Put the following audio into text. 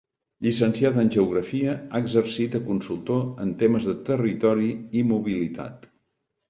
Llicenciat en Geografia, ha exercit de consultor en temes de territori i mobilitat.